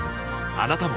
あなたも